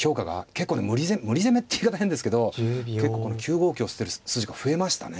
結構無理攻めって言い方変ですけど結構この９五香捨てる筋が増えましたね。